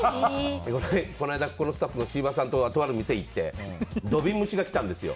この間、このスタッフさんととある店に行って土瓶蒸しが来たんですよ。